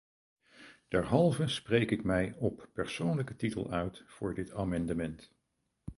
Derhalve spreek ik mij op persoonlijke titel uit voor dit amendement.